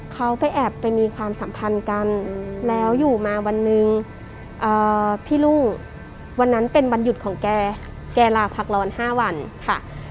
เขาไปแอบไปมีความสัมพันธ์กันแล้วอยู่มาวันหนึ่งพี่รุ่งวันนั้นเป็นวันหยุดของแกแกลาพักร้อน๕วันค่ะ